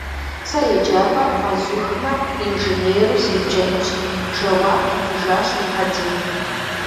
Сэ еджапӏэр къэзухмэ, инженеру седжэнущ, - жэуап итыжащ Мухьэдин.